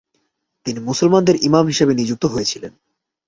তিনি মুসলমানদের ইমাম হিসেবে নিযুক্ত হয়েছিলেন।